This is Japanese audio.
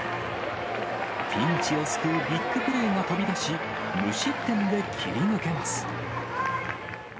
ピンチを救うビッグプレーが飛び出し、無失点で切り抜けます。